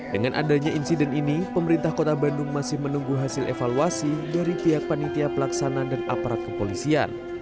dengan adanya insiden ini pemerintah kota bandung masih menunggu hasil evaluasi dari pihak panitia pelaksana dan aparat kepolisian